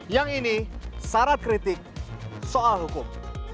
yang ini syarat kritik soal hukum